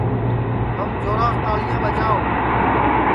تھم جوراس تاݪیاں ٻاجاو